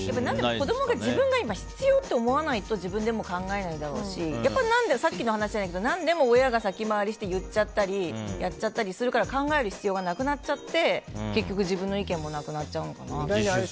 子供が自分が今、必要って思わないと自分でも考えないだろうしさっきの話じゃないけどなんでも親が先回りしてやっちゃったり言っちゃったりするから考える必要がなくなっちゃって結局、自分の意見もなくなっちゃうのかな。